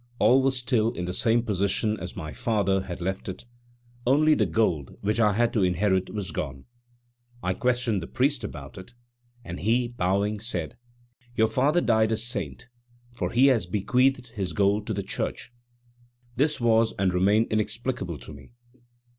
All was still in the same position as my father had left it, only the gold which I was to inherit was gone. I questioned the priest about it, and he, bowing, said: "Your father died a saint, for he has bequeathed his gold to the Church." This was and remained inexplicable to me.